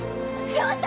翔太。